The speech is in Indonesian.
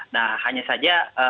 nah hanya saja